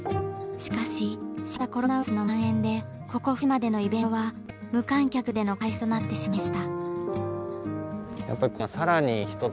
しかし新型コロナウイルスの蔓延でここ福島でのイベントは無観客での開催となってしまいました。